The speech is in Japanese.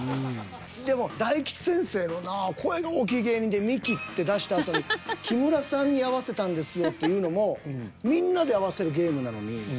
でも大吉先生のな「声の大きい芸人」で「ミキ」って出したあとに「木村さんに合わせたんですよ」っていうのもみんなで合わせるゲームなのに。